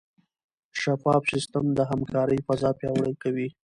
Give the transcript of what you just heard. شفاف سیستم د همکارۍ فضا پیاوړې کوي.